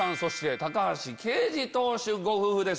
高橋奎二投手ご夫婦です。